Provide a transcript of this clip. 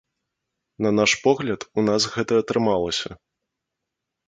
На наш погляд, у нас гэта атрымалася.